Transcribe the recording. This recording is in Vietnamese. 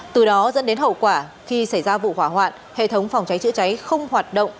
từ đó dẫn đến hậu quả khi xảy ra vụ hỏa hoạn hệ thống phòng cháy chữa cháy không hoạt động